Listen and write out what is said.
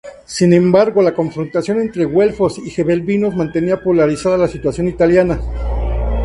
Sin embargo la confrontación entre güelfos y gibelinos mantenía polarizada la situación italiana.